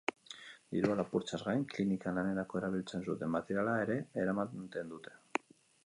Dirua lapurtzeaz gain, klinikan lanerako erabiltzen zuten materiala ere eramaten zuten.